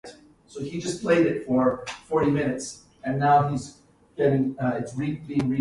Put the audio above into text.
They sustain themselves by hunting, fishing, gathering wild foods and growing crops.